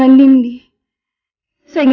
saya ingatkan dia seumur hidupku